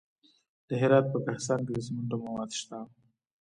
د هرات په کهسان کې د سمنټو مواد شته.